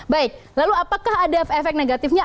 baik lalu apakah ada efek negatifnya